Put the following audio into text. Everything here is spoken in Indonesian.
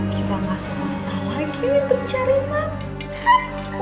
kita gak susah susah lagi untuk cari emas